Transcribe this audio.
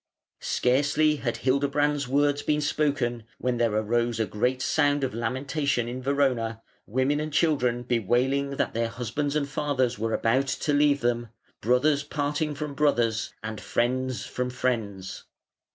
Scarcely had Hildebrand's words been spoken, when there arose a great sound of lamentation in Verona, women and children bewailing that their husbands and fathers were about to leave them, brothers parting from brothers and friends from friends.